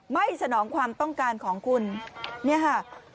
สนองความต้องการของคุณเนี่ยค่ะ